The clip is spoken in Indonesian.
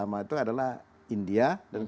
kemudian satu negara lainnya itu india